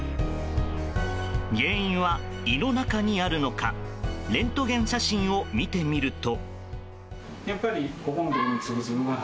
原因は胃の中にあるのかレントゲン写真を見てみると。